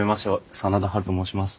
真田ハルと申します。